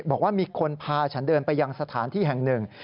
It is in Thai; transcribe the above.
บอกว่ามีคนพาฉันเดินไปยังสถานที่แห่งหนึ่ง